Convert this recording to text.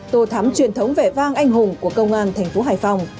tổ thám truyền thống vẻ vang anh hùng của công an thành phố hải phòng